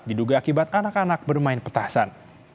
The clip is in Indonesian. diduga akibat anak anak bermain petasan